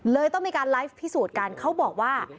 ต้องมีการไลฟ์พิสูจน์กันเขาบอกว่า